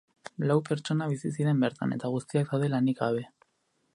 Lau pertsona bizi ziren bertan, eta guztiak daude lanik gabe.